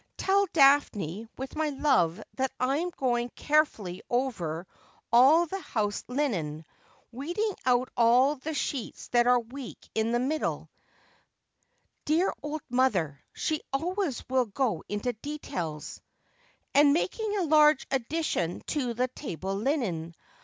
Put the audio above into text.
" Tell Daphne, with my love, that I am going carefully over all the house linen — weeding out all the sheets that are weak in the middle "— dear old mother ! she always will go into details —" and making a large addition to the table linen.